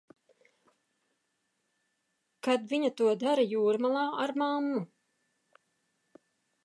Kad viņa to dara Jūrmalā ar mammu.